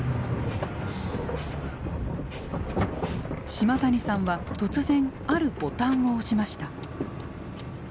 島谷さんは突然あるボタンを押しました。